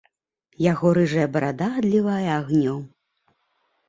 Яго рыжая барада адлівае агнём.